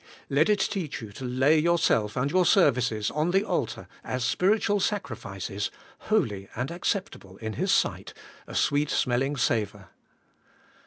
Let it teach you to lay yourself and your services on the altar as spiritual sacrifices, holy and acceptable in His sight, a sweet smelling savour.